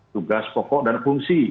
tugas pokok dan fungsi